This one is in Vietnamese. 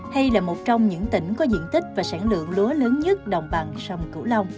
hay là một trong những tỉnh có diện tích và sản lượng lúa lớn nhất đồng bằng sông cửu long